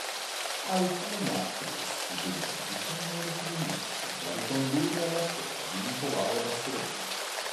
Alcuni affreschi presenti sono verosimilmente da ricondurre alla scuola di Nicolao da Seregno.